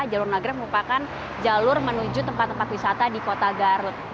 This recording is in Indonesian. jalur nagrek merupakan jalur menuju tempat tempat wisata di kota garut